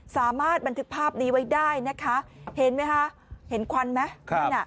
สามารถบันทึกภาพนี้ไว้ได้นะคะเห็นไหมคะเห็นควันไหม